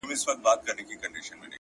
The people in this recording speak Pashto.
ددې خاوري هزاره ترکمن زما دی.!